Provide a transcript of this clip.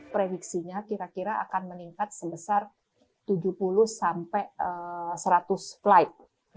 prediksinya kira kira akan meningkat sebesar tujuh puluh sampai seratus flight